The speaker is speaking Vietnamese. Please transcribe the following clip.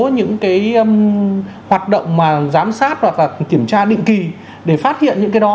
những hoạt động giám sát hoặc kiểm tra định kỳ để phát hiện những cái đó